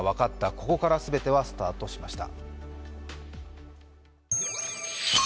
ここから全てはスタートしました。